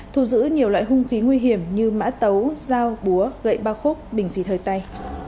thu giữ nhiều loại hung khí nguy hiểm như mã tấu dao búa gậy ba khúc bình xịt hơi tay